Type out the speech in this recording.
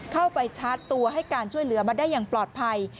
เข้าไปชาร์จตัวให้การช่วยเหลือมาได้อย่างปลอดภัย